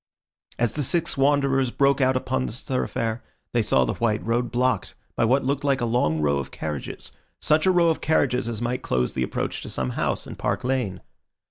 As the six wanderers broke out upon this thoroughfare, they saw the white road blocked by what looked like a long row of carriages, such a row of carriages as might close the approach to some house in Park Lane.